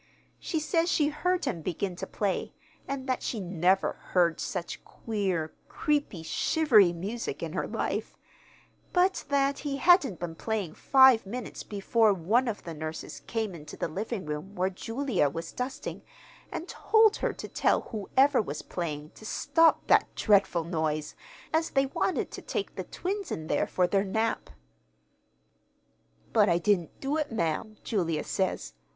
She says she heard him begin to play, and that she never heard such queer, creepy, shivery music in her life; but that he hadn't been playing five minutes before one of the nurses came into the living room where Julia was dusting, and told her to tell whoever was playing to stop that dreadful noise, as they wanted to take the twins in there for their nap. "'But I didn't do it, ma'am,' Julia says.